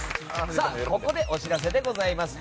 さあ、ここでお知らせでございます。